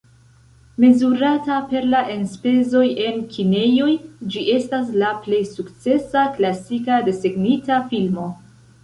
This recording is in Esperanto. Mezurata per la enspezoj en kinejoj ĝi estas la plej sukcesa klasika desegnita filmo.